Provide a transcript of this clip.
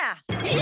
え！？